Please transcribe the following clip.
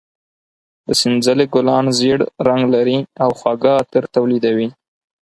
د سنځلې ګلان زېړ رنګ لري او خواږه عطر تولیدوي.